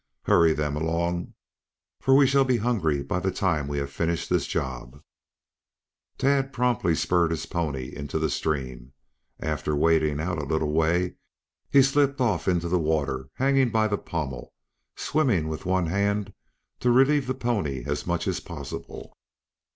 Hurry them along, for we shall be hungry by the time we have finished this job." Tad promptly spurred his pony into the stream. After wading out a little way he slipped off into the water, hanging by the pommel, swimming with one hand to relieve the pony as much as possible.